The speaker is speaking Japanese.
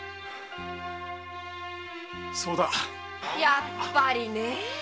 やっぱりね。